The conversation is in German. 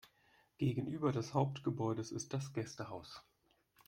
Gegenüber des Hauptgebäudes ist das Gästehaus.